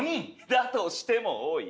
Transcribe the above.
だとしても多い。